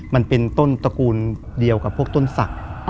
มันเป็นต้นตระกูลเดียวกับพวกต้นศักดิ์